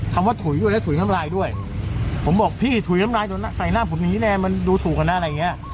คำว่าถุยด้วยและถุยน้ำลายด้วยผมบอกพี่ถุยน้ำลายโดนใส่หน้าผมอย่างนี้แน่มันดูถูกกันนะอะไรอย่างเงี้ย